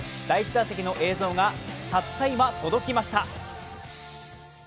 第１打席の映像がたった今届きました。